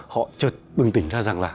họ trật bừng tỉnh ra rằng là